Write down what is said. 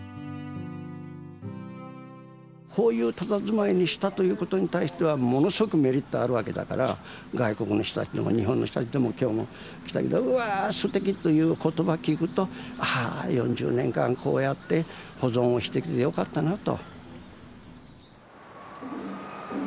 こういうたたずまいにしたということに対してはものすごくメリットあるわけだから外国の人たちでも日本の人たちでも今日も「わすてき！」という言葉聞くとああ４０年間こうやって保存をしてきてよかったなと。